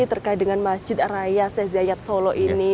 terkait dengan masjid raya sezayat solo ini